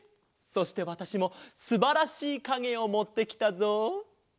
そしてわたしもすばらしいかげをもってきたぞ。